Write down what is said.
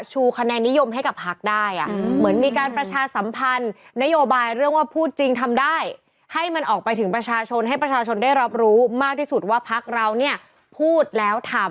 ชูคะแนนิยมให้กับผลักษณ์ได้เด่อ